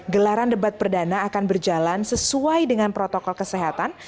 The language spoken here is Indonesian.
gelaran debat perdana akan berjalan sesuai dengan protokol kesehatan